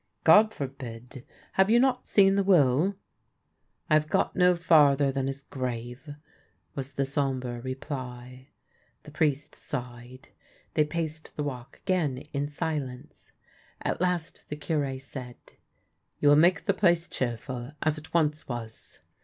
" God forbid ! Have you not seen the will ?"" I have got no farther than his grave," was the som bre reply. The priest sighed. They paced the walk again in silence. At last the Cure said :" You will make the place cheerful, as it once was."